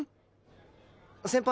先輩